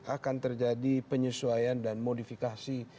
akan terjadi penyesuaian dan modifikasi